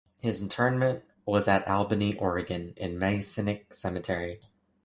His interment was at Albany, Oregon in the Masonic Cemetery.